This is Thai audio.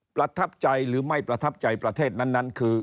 ประทับใจหรือไม่ประทับใจประเทศนั้นคือ